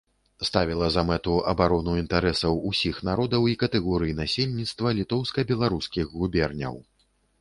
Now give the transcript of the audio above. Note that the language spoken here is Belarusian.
Ставіла за мэту абарону інтарэсаў усіх народаў і катэгорый насельніцтва літоўска-беларускіх губерняў.